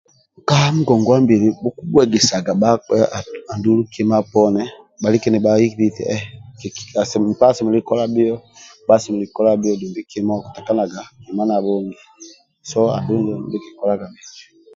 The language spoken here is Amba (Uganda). Kangongwabili buku buhegesaga bakpa balika ni bahibi eti sekina mkpa asemelelu kola biyo mpla asemelelu kola biyo dumbi okutakanaga na bongi